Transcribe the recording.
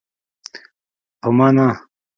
په ما نه.